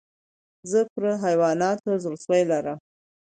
زه پر حیواناتو زړه سوى لرم.